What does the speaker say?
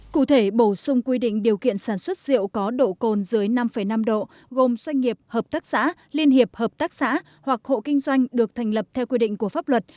cụ thể bổ sung quy định điều kiện sản xuất rượu có độ cồn dưới năm năm độ gồm doanh nghiệp hợp tác xã liên hiệp hợp tác xã hoặc hộ kinh doanh được thành lập theo quy định của pháp luật